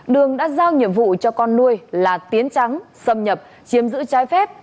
đường đã giao nhiệm vụ cho con nuôi là tiến trắng xâm nhập chiếm giữ trái phép